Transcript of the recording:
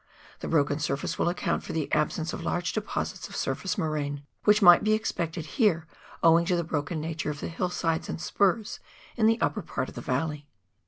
The broken surface will account for the absence of large deposits of surface moraine, which might be expected here, owing to the broken nature of the hillsides and spurs in the upper part of the valley.